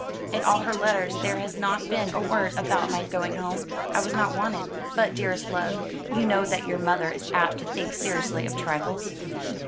In all her letters there has not been a word about my going home. I was not wanted." "But, dearest love, you know that your mother is apt to think seriously of trifles."